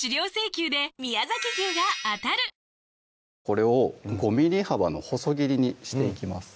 これを５ｍｍ幅の細切りにしていきます